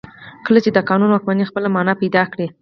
کله چې د قانون واکمني خپله معنا پیدا کوي.